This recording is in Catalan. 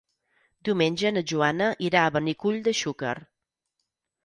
Diumenge na Joana irà a Benicull de Xúquer.